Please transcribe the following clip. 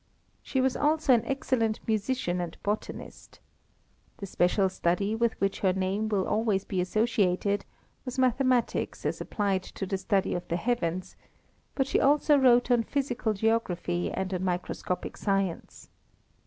She was also an excellent musician and botanist. The special study with which her name will always be associated was mathematics as applied to the study of the heavens, but she also wrote on physical geography and on microscopic science.